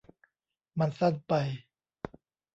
มันสั้นไป